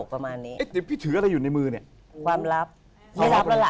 ประมาณนี้เอ๊ะเดี๋ยวพี่ถืออะไรอยู่ในมือเนี่ยความลับไม่รับแล้วล่ะ